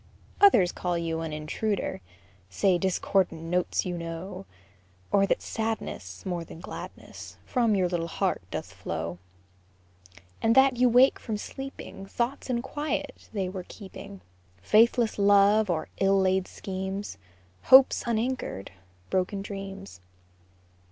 Others call you an intruder, Say discordant notes you know; Or that sadness, More than gladness, From your little heart doth flow; And that you awake from sleeping Thoughts in quiet they were keeping, Faithless love, or ill laid schemes, Hopes unanchored broken dreams.